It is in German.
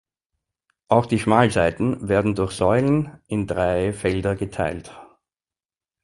Auch die Schmalseiten werden durch Säulen in drei Felder geteilt.